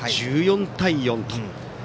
１４対４と。